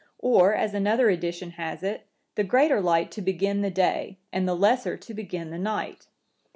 Or, as another edition(968) has it, 'The greater light to begin the day, and the lesser to begin the night.